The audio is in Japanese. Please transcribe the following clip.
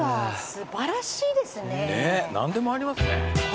何でもありますね。